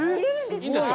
いいんですか？